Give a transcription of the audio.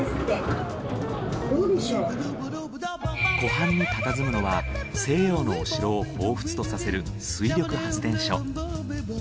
湖畔に佇むのは西洋のお城を彷彿とさせる水力発電所。